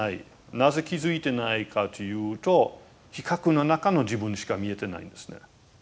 なぜ気付いてないかというと比較の中の自分しか見えてないんですね。